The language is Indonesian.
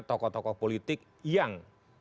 tokoh tokoh politik yang